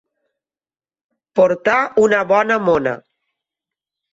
Portar una bona mona.